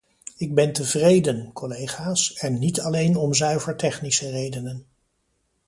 Ik ben tevreden, collega’s, en niet alleen om zuiver technische redenen.